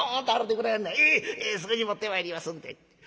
すぐに持ってまいりますんで」。